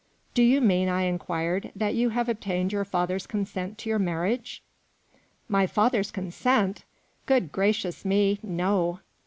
" Do you mean," I inquired, " that you have obtained your father's consent to your marriage ?"" My father's consent ? good gracious me, no